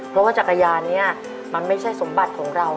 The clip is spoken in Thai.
เพราะว่าจักรยานนี้มันไม่ใช่สมบัติของเรา